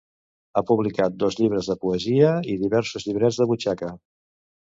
Ha publicat dos llibres de poesia i diversos llibrets de butxaca.